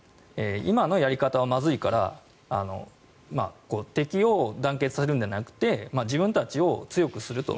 今のやり方はまずいから敵を団結させるのではなくて自分たちを強くすると。